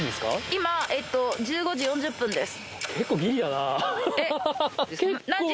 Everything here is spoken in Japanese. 今えっと１５時４０分です